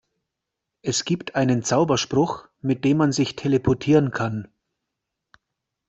Es gibt einen Zauberspruch, mit dem man sich teleportieren kann.